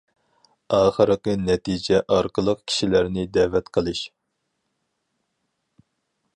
ئاخىرقى نەتىجە ئارقىلىق كىشىلەرنى دەۋەت قىلىش.